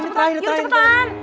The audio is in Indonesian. cepetan yuk cepetan